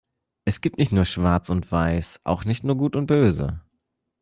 Es gibt nicht nur Schwarz und Weiß, auch nicht nur Gut und Böse.